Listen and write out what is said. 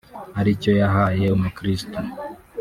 ari cyo yahaye umukiristo